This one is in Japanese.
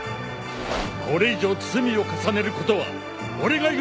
これ以上罪を重ねることは俺が許さん！